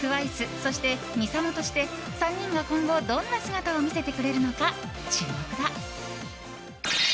そして、ＭＩＳＡＭＯとして３人が今後、どんな姿を見せてくれるのか注目だ。